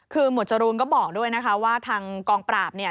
คือหมวดจรูนก็บอกด้วยนะคะว่าทางกองปราบเนี่ย